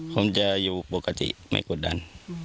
ผมจะอยู่ปกติไม่กดดัน